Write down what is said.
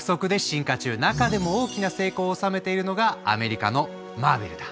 中でも大きな成功を収めているのがアメリカの「マーベル」だ。